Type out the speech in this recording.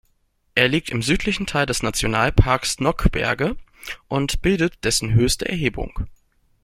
Er liegt im südlichen Teil des Nationalparks Nockberge und bildet dessen höchste Erhebung.